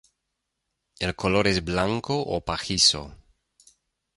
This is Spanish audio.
El color es blanco o pajizo.